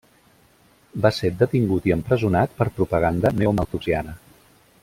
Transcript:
Va ser detingut i empresonat per propaganda neomalthusiana.